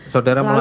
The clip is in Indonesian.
lalu habis itu